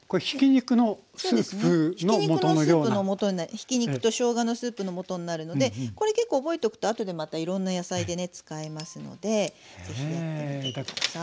ひき肉としょうがのスープのもとになるのでこれ結構覚えとくと後でまたいろんな野菜でね使えますので是非やってみて下さい。